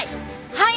はい！